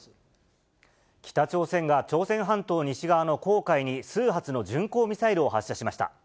北朝鮮が朝鮮半島西側の黄海に数発の巡航ミサイルを発射しました。